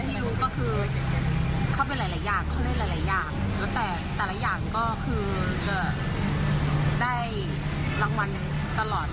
แต่แต่ละอย่างก็คือจะได้รางวัลตลอด